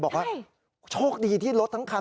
บอกว่าโชคดีที่รถทั้งคัน